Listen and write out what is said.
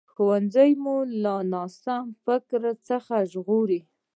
ښوونځی مو له ناسم فکر څخه ژغوري